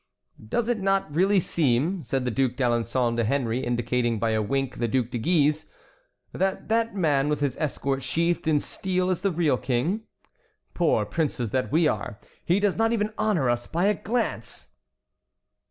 "Does it not really seem," said the Duc d'Alençon to Henry, indicating by a wink the Duc de Guise, "that that man with his escort sheathed in steel is the real king? Poor princes that we are, he does not even honor us by a glance."